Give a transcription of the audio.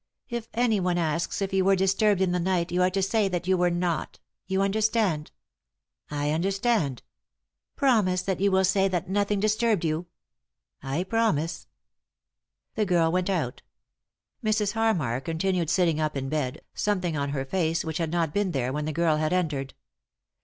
"If anyone asks if you were disturbed in the night you are to say that you were not — you under stand ?" "I understand." " Promise that you will say that nothing disturbed you." " I promise." The girl went out. Mrs. Harmar continued sitting up in bed, something on her face which bad not been there when the girl had entered.